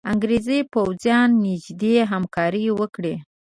انګرېزي پوځیان نیژدې همکاري وکړي.